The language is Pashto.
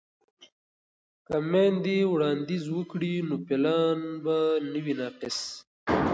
که میندې وړاندیز وکړي نو پلان به نه وي ناقص.